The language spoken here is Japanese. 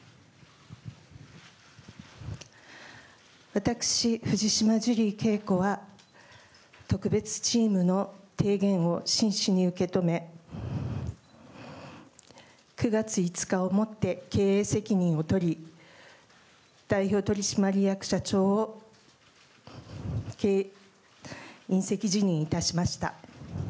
私、藤島ジュリー景子は、特別チームの提言を真摯に受け止め、９月５日をもって経営責任を取り、代表取締役社長を引責辞任いたしました。